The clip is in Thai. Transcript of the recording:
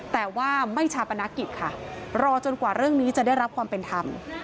แต่ว่าไม่ชาปนกิจค่ะรอจนกว่าเรื่องนี้จะได้รับความเป็นธรรม